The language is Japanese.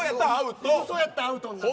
うそやったらアウトになる。